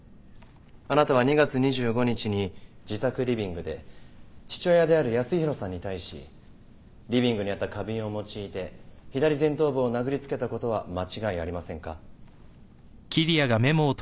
あなたは２月２５日に自宅リビングで父親である康弘さんに対しリビングにあった花瓶を用いて左前頭部を殴りつけたことは間違いありませんか？